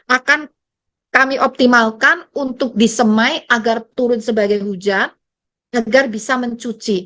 akan kami optimalkan untuk disemai agar turun sebagai hujan agar bisa mencuci